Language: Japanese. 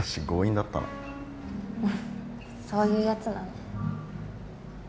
そういうやつなの。